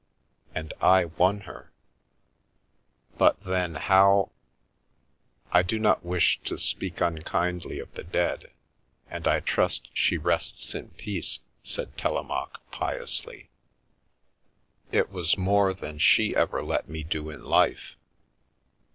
And I won her." /r Via Amoris (t "D. i. xt. 1 1 ff But then, how " I do not wish to speak unkindly of the dead, and I trust she rests in peace," said Telemaque, piously ;" it was more than she ever let me do in life.